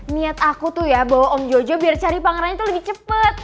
niat aku tuh ya bawa om jojo biar cari pangerannya tuh lebih cepet